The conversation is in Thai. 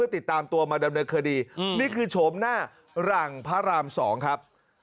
ติดตามตัวมาดำเนินคดีนี่คือโฉมหน้าหลังพระราม๒ครับ